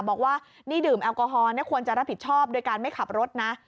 บอกว่านี่ดื่มแอลกอฮอลควรจะรับผิดชอบโดยการไม่ขับรถนะ